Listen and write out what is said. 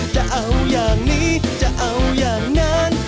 จะเอาอย่างนี้จะเอาอย่างนั้น